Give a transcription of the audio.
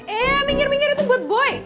eh minggir minggir itu buat boy